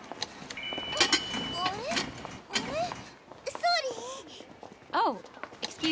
ソーリー。